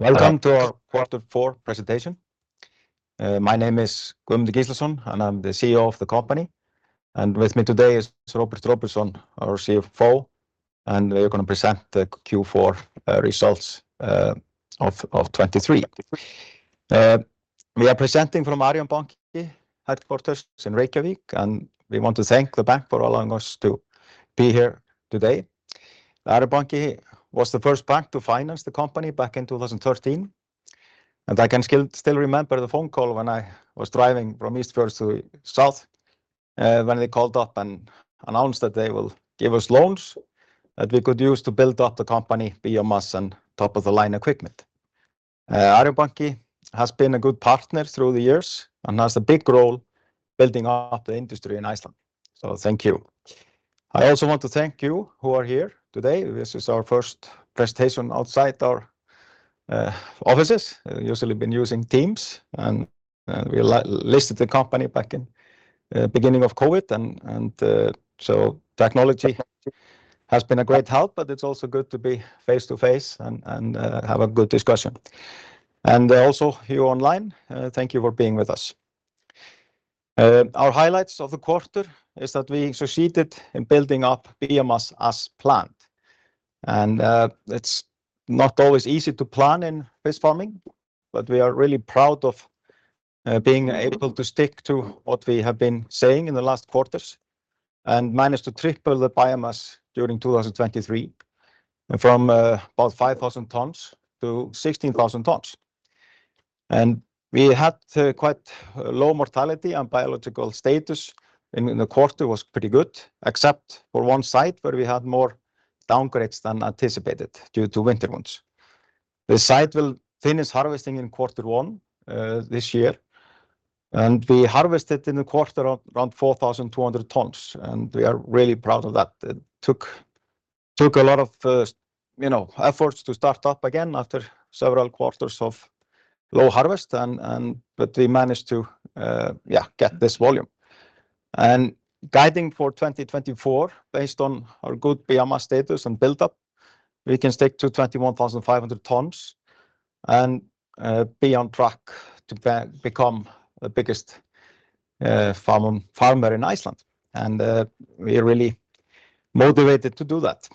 Welcome to our quarter four presentation. My name is Guðmundur Gíslason, and I'm the CEO of the company. With me today is Róbert Róbertsson, our CFO, and we're going to present the Q4 results of 2023. We are presenting from Arion Bank headquarters in Reykjavík, and we want to thank the bank for allowing us to be here today. Arion Bank was the first bank to finance the company back in 2013, and I can still remember the phone call when I was driving from East Fjords to South when they called up and announced that they will give us loans that we could use to build up the company beyond us and top-of-the-line equipment. Arion Bank has been a good partner through the years and has a big role building up the industry in Iceland, so thank you. I also want to thank you who are here today. This is our first presentation outside our offices. Usually been using Teams, and we listed the company back in the beginning of COVID, and so technology has been a great help, but it's also good to be face-to-face and have a good discussion. Also you online, thank you for being with us. Our highlights of the quarter is that we succeeded in building up biomass as planned. It's not always easy to plan in fish farming, but we are really proud of being able to stick to what we have been saying in the last quarters and managed to triple the biomass during 2023 from about 5,000 tons to 16,000 tons. We had quite low mortality and biological status in the quarter was pretty good, except for one site where we had more downgrades than anticipated due to winter wounds. The site will finish harvesting in quarter one this year, and we harvested in the quarter around 4,200 tons, and we are really proud of that. It took a lot of efforts to start up again after several quarters of low harvest, but we managed to get this volume. And guiding for 2024, based on our good biomass status and buildup, we can stick to 21,500 tons and be on track to become the biggest farmer in Iceland, and we're really motivated to do that.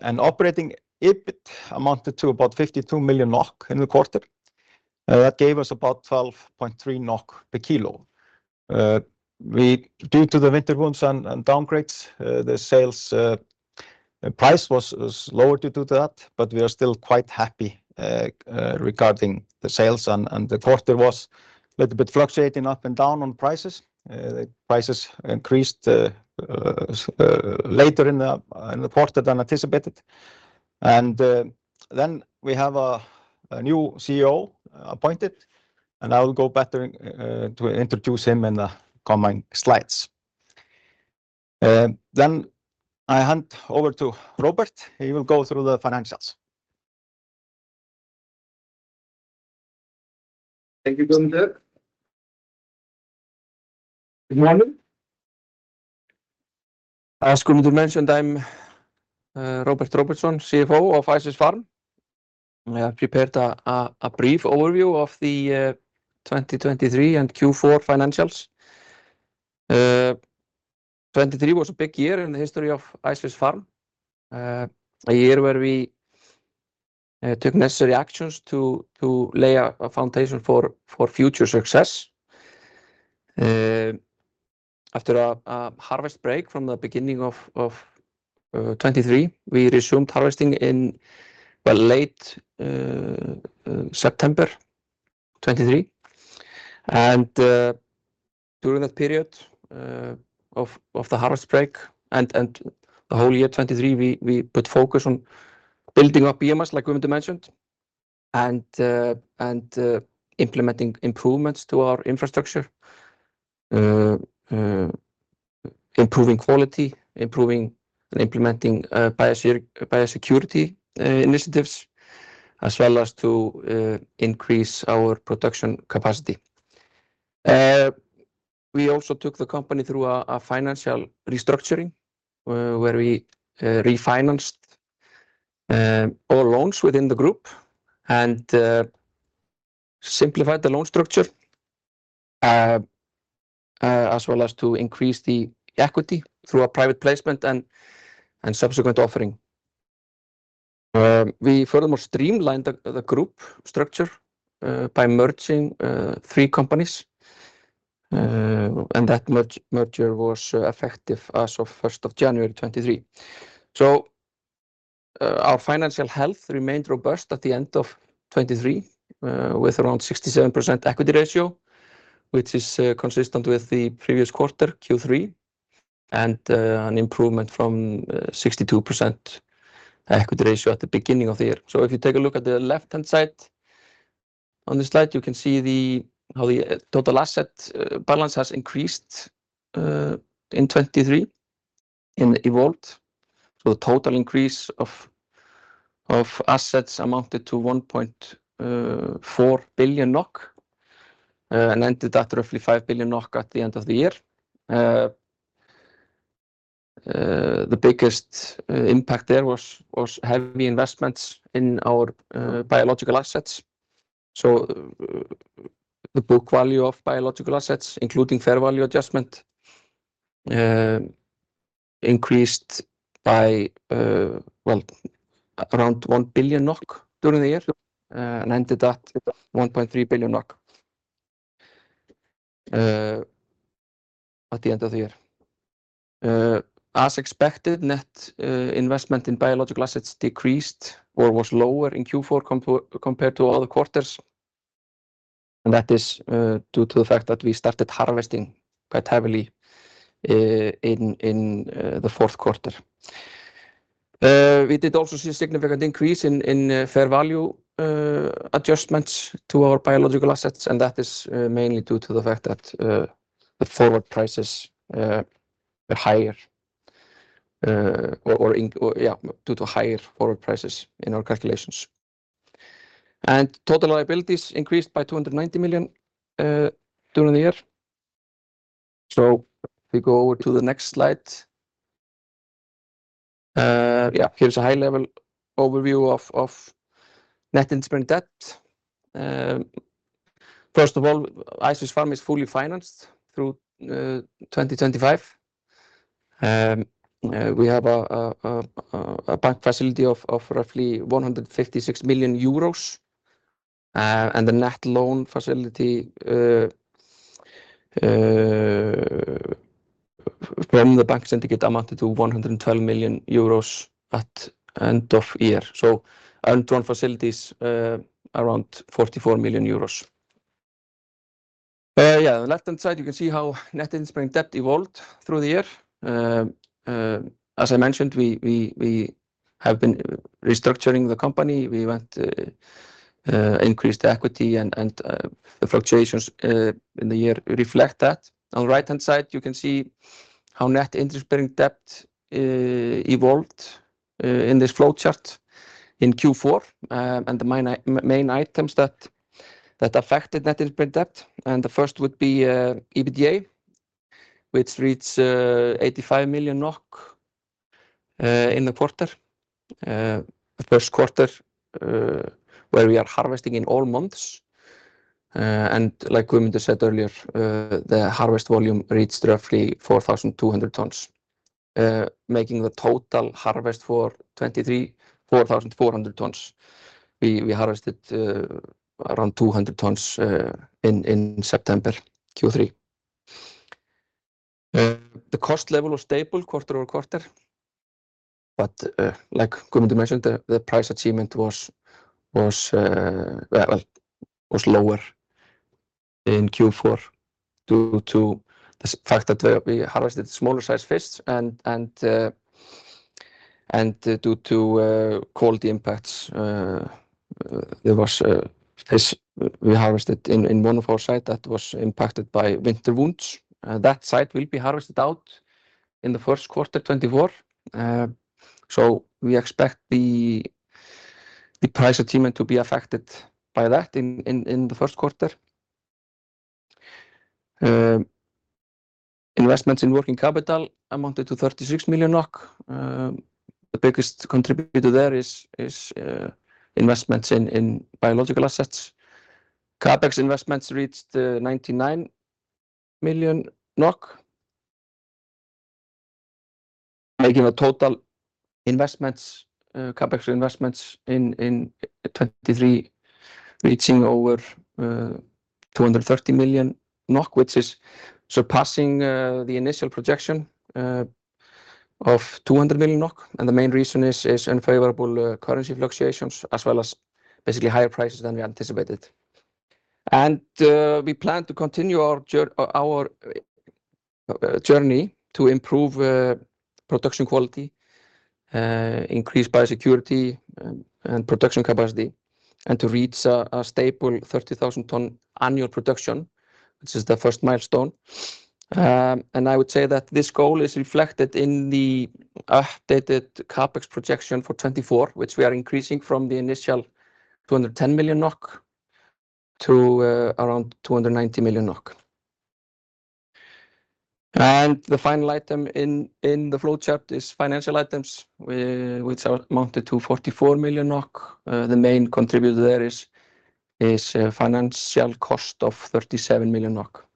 And operating EBIT amounted to about 52 million NOK in the quarter. That gave us about 12.3 NOK per kilo. Due to the winter wounds and downgrades, the sales price was lower due to that, but we are still quite happy regarding the sales, and the quarter was a little bit fluctuating up and down on prices. The prices increased later in the quarter than anticipated. Then we have a new CEO appointed, and I will go back to introduce him in the coming slides. I hand over to Róbert. He will go through the financials. Thank you, Guðmundur. Good morning. I asked Guðmundur to mention I'm Róbert Róbertsson, CFO of Ice Fish Farm. I have prepared a brief overview of the 2023 and Q4 financials. 2023 was a big year in the history of Ice Fish Farm. A year where we took necessary actions to lay a foundation for future success. After a harvest break from the beginning of 2023, we resumed harvesting in late September 2023. During that period of the harvest break and the whole year 2023, we put focus on building up biomass, like Guðmundur mentioned, and implementing improvements to our infrastructure, improving quality, and implementing biosecurity initiatives, as well as to increase our production capacity. We also took the company through a financial restructuring where we refinanced all loans within the group and simplified the loan structure, as well as to increase the equity through a private placement and subsequent offering. We furthermore streamlined the group structure by merging three companies, and that merger was effective as of 1st of January 2023. So our financial health remained robust at the end of 2023 with around 67% equity ratio, which is consistent with the previous quarter, Q3, and an improvement from 62% equity ratio at the beginning of the year. So if you take a look at the left-hand side on the slide, you can see how the total asset balance has increased in 2023 and evolved. So the total increase of assets amounted to 1.4 billion NOK and ended at roughly 5 billion NOK at the end of the year. The biggest impact there was heavy investments in our biological assets. The book value of biological assets, including fair value adjustment, increased by around 1 billion NOK during the year and ended at 1.3 billion NOK at the end of the year. As expected, net investment in biological assets decreased or was lower in Q4 compared to all the quarters, and that is due to the fact that we started harvesting quite heavily in the fourth quarter. We did also see a significant increase in fair value adjustments to our biological assets, and that is mainly due to the fact that the forward prices were higher or due to higher forward prices in our calculations. Total liabilities increased by 290 million during the year. If we go over to the next slide, here's a high-level overview of net interest rate debt. First of all, Ice Fish Farm is fully financed through 2025. We have a bank facility of roughly 156 million euros, and the net loan facility from the bank syndicate amounted to 112 million euros at the end of the year. So undrawn facilities around EUR 44 million. Yeah, on the left-hand side, you can see how net interest-bearing debt evolved through the year. As I mentioned, we have been restructuring the company. We increased the equity, and the fluctuations in the year reflect that. On the right-hand side, you can see how net interest-bearing debt evolved in this flowchart in Q4 and the main items that affected net interest-bearing debt. And the first would be EBITDA, which reached 85 million NOK in the quarter, the first quarter where we are harvesting in all months. And like Guðmundur said earlier, the harvest volume reached roughly 4,200 tons, making the total harvest for 2023 4,400 tons. We harvested around 200 tons in September Q3. The cost level was stable quarter-over-quarter, but like Guðmundur mentioned, the price achievement was lower in Q4 due to the fact that we harvested smaller-sized fish and due to quality impacts. We harvested in one of our sites that was impacted by winter wounds. That site will be harvested out in the first quarter 2024, so we expect the price achievement to be affected by that in the first quarter. Investments in working capital amounted to 36 million. The biggest contributor there is investments in biological assets. CapEx investments reached NOK 99 million, making the total investments, CapEx investments in 2023, reaching over 230 million NOK, which is surpassing the initial projection of 200 million NOK. The main reason is unfavorable currency fluctuations, as well as basically higher prices than we anticipated. We plan to continue our journey to improve production quality, increase biosecurity and production capacity, and to reach a stable 30,000-ton annual production, which is the first milestone. I would say that this goal is reflected in the updated CapEx projection for 2024, which we are increasing from the initial 210 million NOK to around 290 million NOK. The final item in the flowchart is financial items, which amounted to 44 million NOK. The main contributor there is financial cost of 37 million NOK.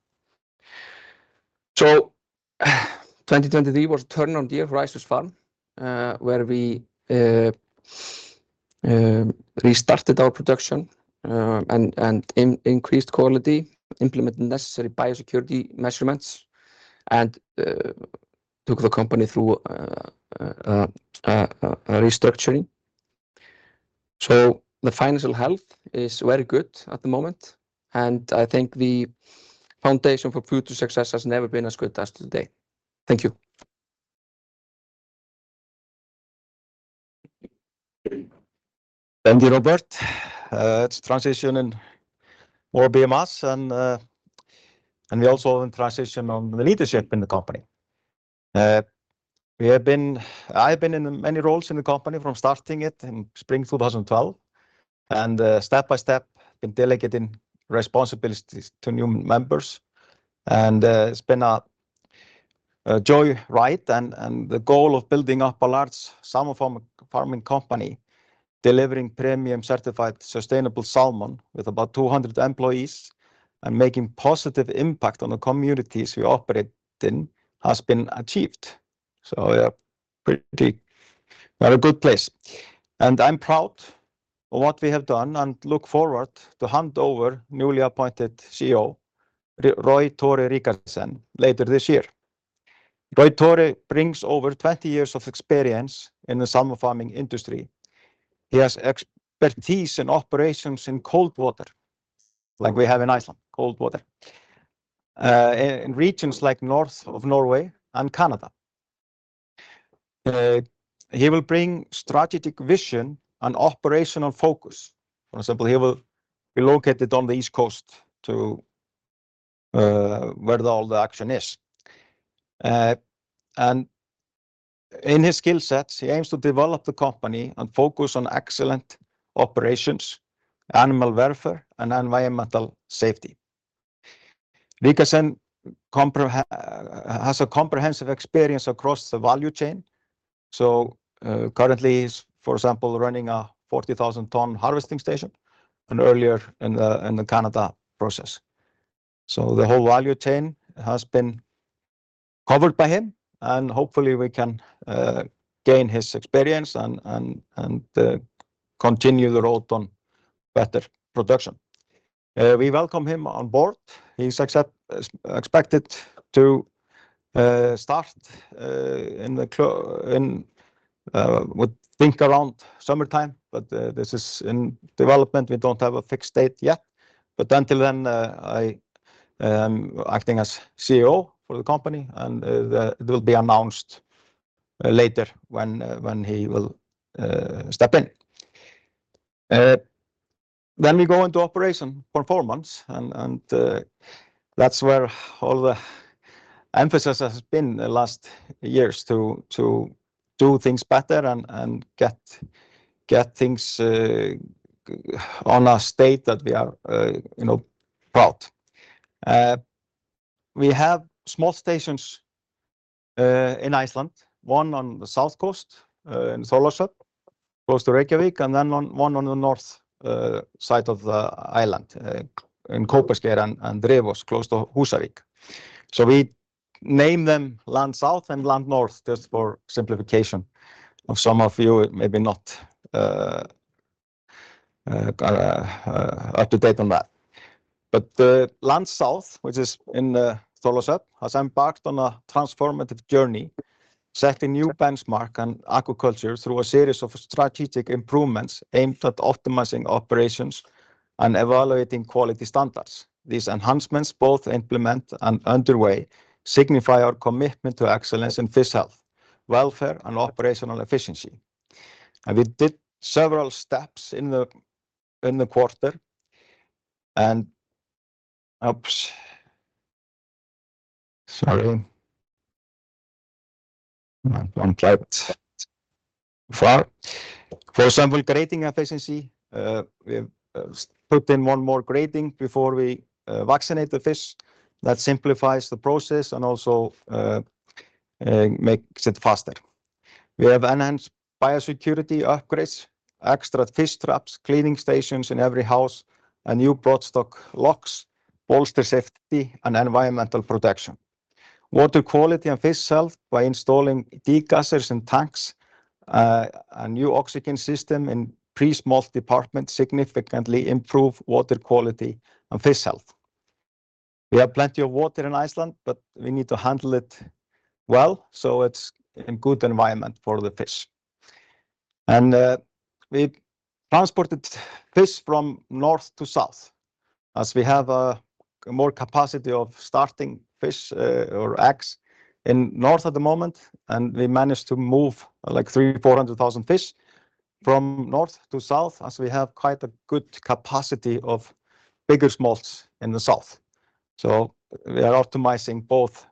2023 was a turnaround year for Ice Fish Farm, where we restarted our production and increased quality, implemented necessary biosecurity measures, and took the company through a restructuring. The financial health is very good at the moment, and I think the foundation for future success has never been as good as today. Thank you. Thank you, Róbert. It's a transition in more biomass, and we also have a transition on the leadership in the company. I have been in many roles in the company from starting it in spring 2012 and step by step been delegating responsibilities to new members. It's been a joyride. The goal of building up a large salmon farming company, delivering premium certified sustainable salmon with about 200 employees and making positive impact on the communities we operate in, has been achieved. We're at a good place. I'm proud of what we have done and look forward to hand over newly appointed CEO, Roy-Tore Rikardsen, later this year. Roy-Tore brings over 20 years of experience in the salmon farming industry. He has expertise in operations in cold water, like we have in Iceland, cold water, in regions like north of Norway and Canada. He will bring strategic vision and operational focus. For example, he will be located on the east coast where all the action is. In his skill sets, he aims to develop the company and focus on excellent operations, animal welfare, and environmental safety. Rikardsen has a comprehensive experience across the value chain. Currently, he's, for example, running a 40,000-ton harvesting station and earlier in the Canada process. The whole value chain has been covered by him, and hopefully we can gain his experience and continue the road on better production. We welcome him on board. He's expected to start in the think around summertime, but this is in development. We don't have a fixed date yet. Until then, I'm acting as CEO for the company, and it will be announced later when he will step in. Then we go into operation performance, and that's where all the emphasis has been the last years to do things better and get things on a state that we are proud of. We have small stations in Iceland, one on the south coast in Þórlákshöfn, close to Reykjavík, and then one on the north side of the island in Kópasker and Drevos, close to Húsavík. So we name them land south and land north just for simplification. Some of you may be not up to date on that. But land south, which is in Þórlákshöfn, has embarked on a transformative journey, setting a new benchmark in aquaculture through a series of strategic improvements aimed at optimizing operations and evaluating quality standards. These enhancements, both implemented and underway, signify our commitment to excellence in fish health, welfare, and operational efficiency. And we did several steps in the quarter. Sorry, I'm quiet so far. For example, grading efficiency. We have put in one more grading before we vaccinate the fish. That simplifies the process and also makes it faster. We have enhanced biosecurity upgrades, extra fish traps, cleaning stations in every house, and new broodstock locks, bolster safety, and environmental protection. Water quality and fish health by installing degassers in tanks, a new oxygen system in pre-smolt departments, significantly improves water quality and fish health. We have plenty of water in Iceland, but we need to handle it well so it's a good environment for the fish. We transported fish from north to south as we have more capacity of starting fish or eggs in north at the moment. We managed to move like 300,000-400,000 fish from north to south as we have quite a good capacity of bigger smalls in the south. So we are optimizing both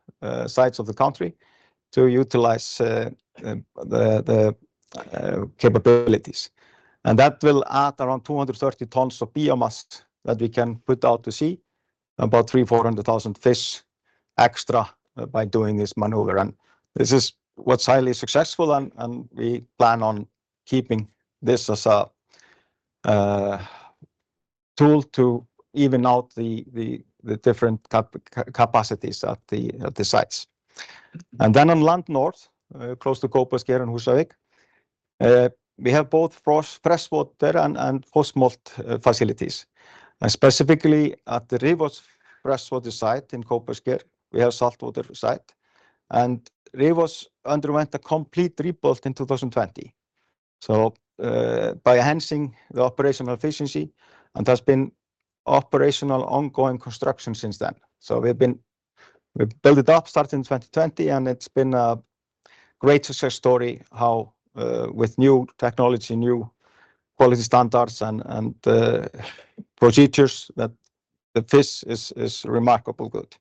sides of the country to utilize the capabilities. That will add around 230 tons of biomass that we can put out to sea, about 300,000-400,000 fish extra by doing this maneuver. This is what's highly successful, and we plan on keeping this as a tool to even out the different capacities at the sites. Then on land north, close to Kópasker and Húsavík, we have both freshwater and post-smolt facilities. Specifically at the Rifós freshwater site in Kópasker, we have a saltwater site. Rifós underwent a complete rebuild in 2020. By enhancing the operational efficiency, there has been operational ongoing construction since then. We built it up starting in 2020, and it's been a great success story with new technology, new quality standards, and procedures that the fish is remarkably good.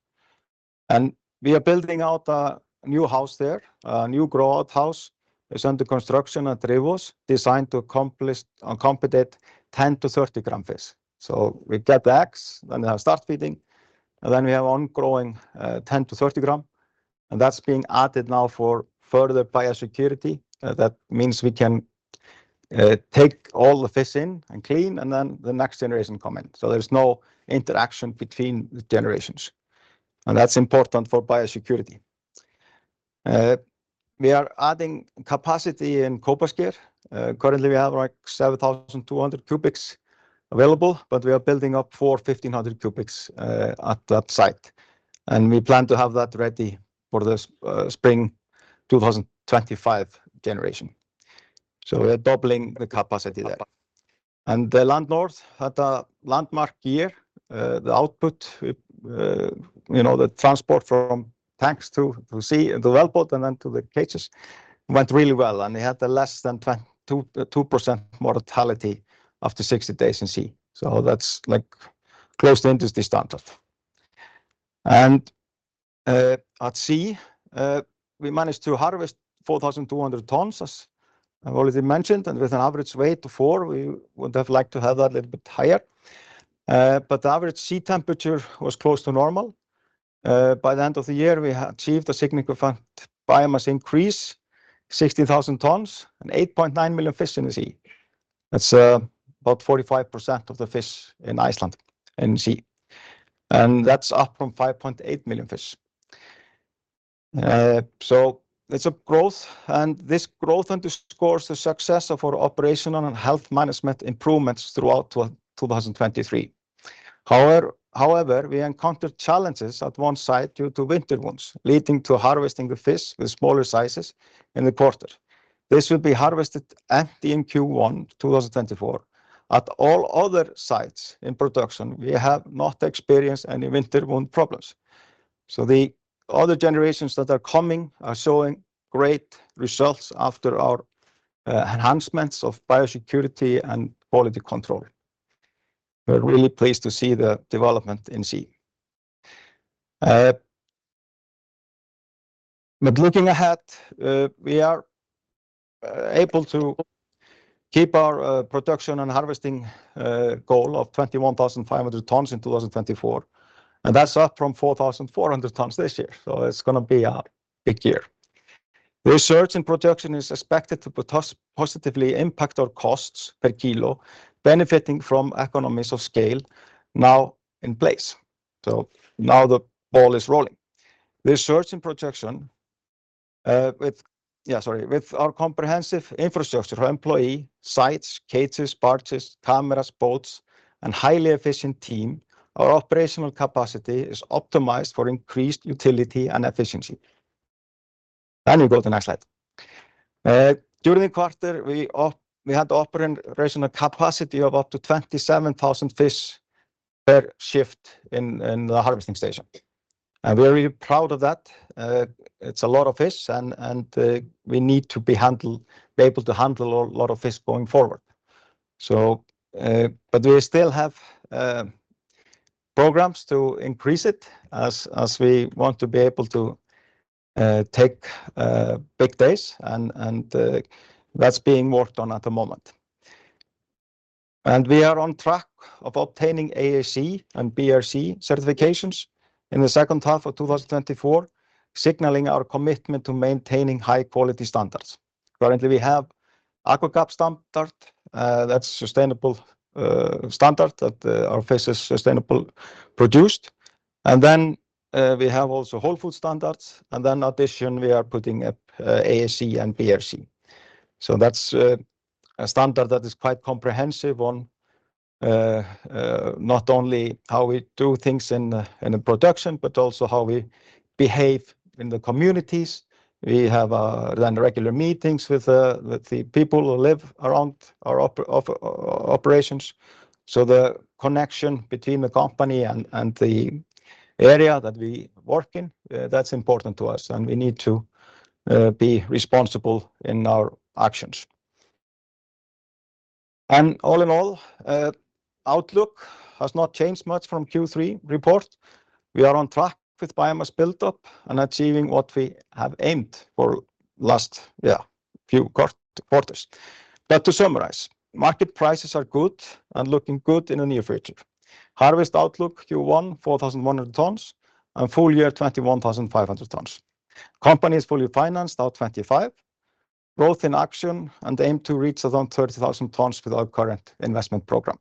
We are building out a new house there, a new grow-out house. It's under construction at Rifós designed to accomplish uncontaminated 10 gram-30-gram fish. So we get the eggs, then they start feeding, and then we have ongrowing 10 gram-30 gram. And that's being added now for further biosecurity. That means we can take all the fish in and clean, and then the next generation comes in. So there's no interaction between the generations. And that's important for biosecurity. We are adding capacity in Kópavogur. Currently, we have like 7,200 cubics available, but we are building up 4,000 cubics to 11,500 cubics at that site. And we plan to have that ready for the spring 2025 generation. So we are doubling the capacity there. And the land north had a landmark year. The output, the transport from tanks to sea, to wellboat, and then to the cages, went really well. They had less than 2% mortality after 60 days in sea. That's like close to industry standards. At sea, we managed to harvest 4,200 tons, as I've already mentioned, and with an average weight of four, we would have liked to have that a little bit higher. But the average sea temperature was close to normal. By the end of the year, we achieved a significant biomass increase, 60,000 tons, and 8.9 million fish in the sea. That's about 45% of the fish in Iceland in the sea. That's up from 5.8 million fish. It's a growth, and this growth underscores the success of our operational and health management improvements throughout 2023. However, we encountered challenges at one site due to winter wounds, leading to harvesting the fish with smaller sizes in the quarter. This will be harvested empty in Q1 2024. At all other sites in production, we have not experienced any winter wound problems. So the other generations that are coming are showing great results after our enhancements of biosecurity and quality control. We're really pleased to see the development in sea. But looking ahead, we are able to keep our production and harvesting goal of 21,500 tons in 2024. And that's up from 4,400 tons this year. So it's going to be a big year. Increased production is expected to positively impact our costs per kilo, benefiting from economies of scale now in place. So now the ball is rolling. Research in production, yeah, sorry, with our comprehensive infrastructure for employees, sites, cages, barges, cameras, boats, and a highly efficient team, our operational capacity is optimized for increased utility and efficiency. Then you go to the next slide. During the quarter, we had an operational capacity of up to 27,000 fish per shift in the harvesting station. And we are really proud of that. It's a lot of fish, and we need to be able to handle a lot of fish going forward. But we still have programs to increase it as we want to be able to take big days. And that's being worked on at the moment. And we are on track of obtaining ASC and BRC certifications in the second half of 2024, signaling our commitment to maintaining high-quality standards. Currently, we have AquaGAP standard, that's a sustainable standard that our fish is sustainably produced. Then we have also Whole Foods standards. Then in addition, we are putting up ASC and BRC. So that's a standard that is quite comprehensive on not only how we do things in production, but also how we behave in the communities. We have then regular meetings with the people who live around our operations. So the connection between the company and the area that we work in, that's important to us. And we need to be responsible in our actions. All in all, outlook has not changed much from Q3 report. We are on track with biomass buildup and achieving what we have aimed for the last few quarters. But to summarize, market prices are good and looking good in the near future. Harvest outlook Q1, 4,100 tons, and full year, 21,500 tons. Company is fully financed, about 25. Growth in action and aim to reach around 30,000 tons without current investment program.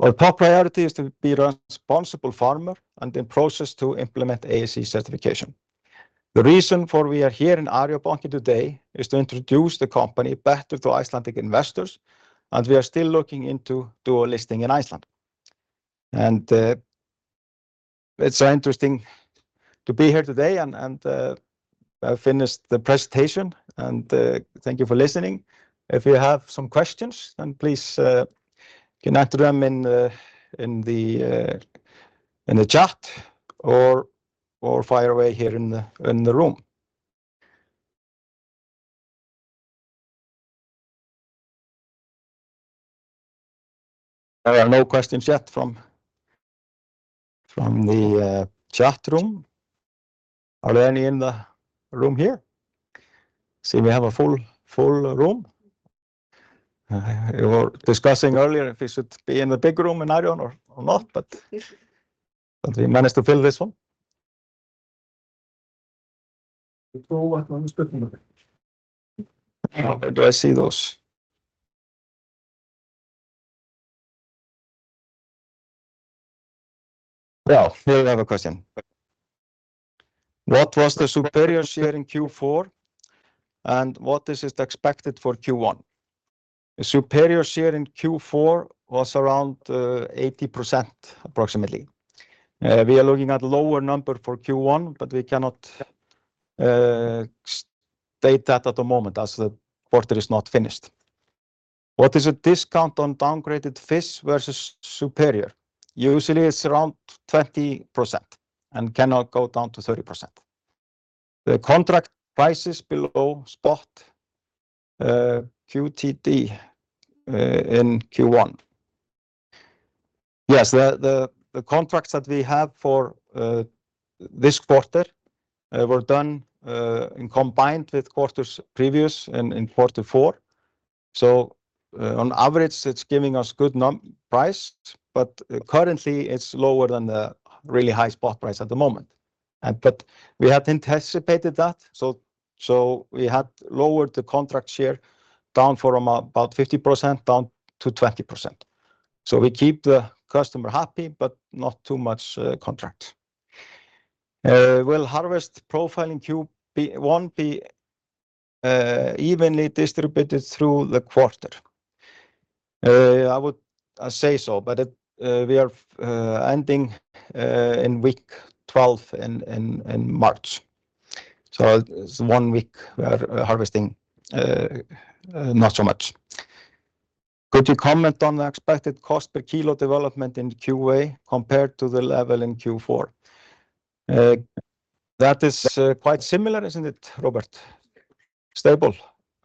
Our top priority is to be a responsible farmer and in process to implement ASC certification. The reason for we are here in Arion Bank today is to introduce the company better to Icelandic investors, and we are still looking into dual listing in Iceland. It's interesting to be here today and have finished the presentation. Thank you for listening. If you have some questions, then please connect to them in the chat or fire away here in the room. There are no questions yet from the chat room. Are there any in the room here? See, we have a full room. We were discussing earlier if we should be in the big room in Arion or not, but we managed to fill this one. Do I see those? Yeah, here we have a question. What was the Superior share in Q4, and what is expected for Q1? The Superior share in Q4 was around 80%, approximately. We are looking at a lower number for Q1, but we cannot state that at the moment as the quarter is not finished. What is a discount on downgraded fish versus superior? Usually, it's around 20% and cannot go down to 30%. The contract prices below spot QTD in Q1. Yes, the contracts that we have for this quarter were done in combined with quarters previous in Q4. So on average, it's giving us a good price, but currently, it's lower than the really high spot price at the moment. But we had anticipated that. So we had lowered the contract share down from about 50% down to 20%. So we keep the customer happy, but not too much contract. Will harvest profile in Q1 be evenly distributed through the quarter? I would say so, but we are ending in week 12 in March. So it's one week we are harvesting not so much. Could you comment on the expected cost per kilo development in QA compared to the level in Q4? That is quite similar, isn't it, Robert? Stable.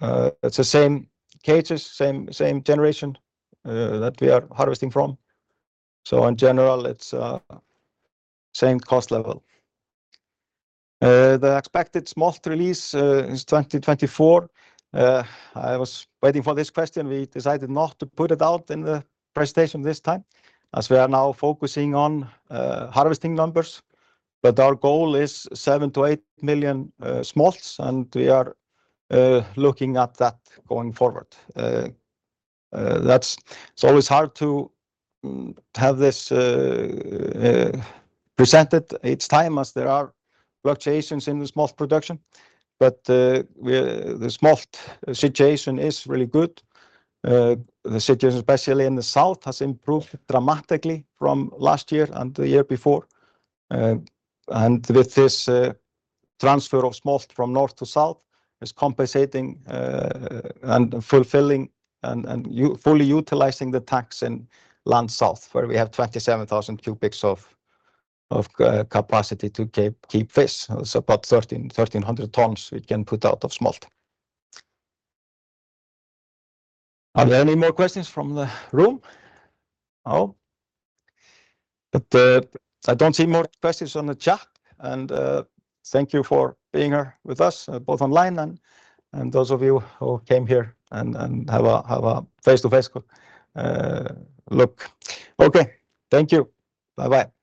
It's the same cages, same generation that we are harvesting from. So in general, it's the same cost level. The expected smolt release is 2024. I was waiting for this question. We decided not to put it out in the presentation this time as we are now focusing on harvesting numbers. But our goal is seven-eight million smolts, and we are looking at that going forward. It's always hard to have this presented. It's time as there are fluctuations in the smolt production. But the smolt situation is really good. The situation, especially in the south, has improved dramatically from last year and the year before. And with this transfer of smolt from north to south, it's compensating and fulfilling and fully utilizing the tanks inland south where we have 27,000 cubics of capacity to keep fish. It's about 1,300 tons we can put out of smolt. Are there any more questions from the room? No? But I don't see more questions on the chat. And thank you for being here with us, both online and those of you who came here and have a face-to-face look. Okay, thank you. Bye-bye.